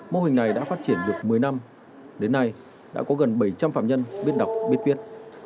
mô hình này đã phát triển được một mươi năm đến nay đã có gần bảy trăm linh phạm nhân biết đọc biết viết